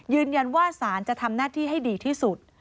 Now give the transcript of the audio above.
ยืนยันว่าศาลจะทำหน้าที่ให้ดีที่สุด